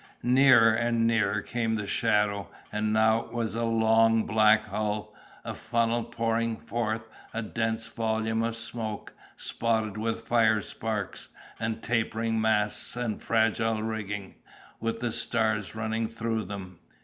Nearer and nearer came the shadow, and now it was a long, black hull, a funnel pouring forth a dense volume of smoke, spotted with fire sparks, and tapering masts and fragile rigging, with the stars running through them.